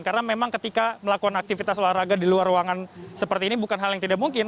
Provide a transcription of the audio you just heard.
karena memang ketika melakukan aktivitas olahraga di luar ruangan seperti ini bukan hal yang tidak mungkin